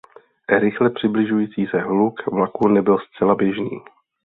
Rychle přibližující se hluk vlaku nebyl zcela běžný.